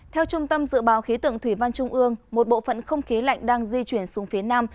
theo trung tâm dự báo khí tượng thủy văn trung ương một bộ phận không khí lạnh đang di chuyển xuống phía nam